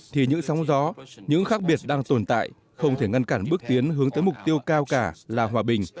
thì những sóng gió những khác biệt đang tồn tại không thể ngăn cản bước tiến hướng tới mục tiêu cao cả là hòa bình